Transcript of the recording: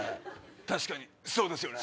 確かにそうですよね。